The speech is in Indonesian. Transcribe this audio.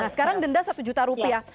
nah sekarang denda satu juta rupiah